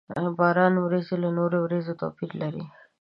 د باران ورېځې له نورو ورېځو توپير لري.